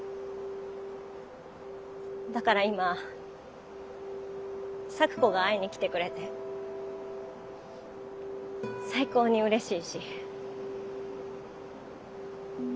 だから今咲子が会いに来てくれて最高に嬉しいし。